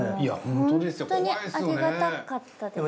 本当にありがたかったです。